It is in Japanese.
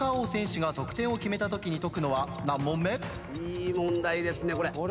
いい問題ですねこれ。